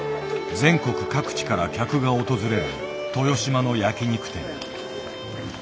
全国各地から客が訪れる豊島の焼き肉店。